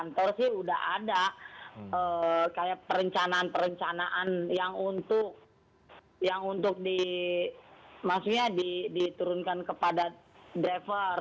kantor sih udah ada kayak perencanaan perencanaan yang untuk di maksudnya diturunkan kepada driver